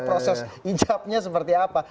proses hijabnya seperti apa